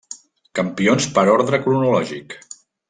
Campions per ordre cronològic.